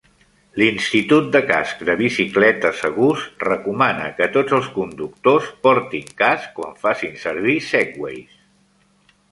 L'Institut de cascs de bicicleta segurs recomana que tots els conductors portin casc quan facin servir Segways.